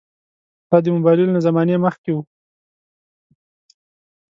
دا د موبایلونو له زمانې مخکې وو.